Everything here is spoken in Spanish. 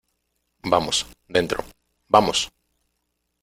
vamos, dentro. ¡ vamos!